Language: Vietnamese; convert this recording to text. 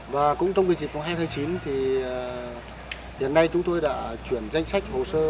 và cũng trong dịp hai tháng chín thì hiện nay chúng tôi đã chuyển danh sách hồ sơ